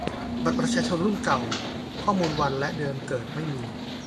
บัตรประชาชนรุ่นเก่า ข้อมูลวันและเดือนเกิดไม่มี